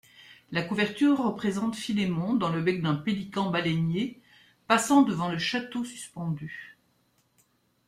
La couverture représente Philémon dans le bec d'un pélican-baleinier passant devant le château suspendu.